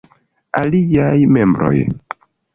Aliaj membroj.